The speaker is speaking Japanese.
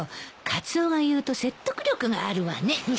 カツオが言うと説得力があるわね。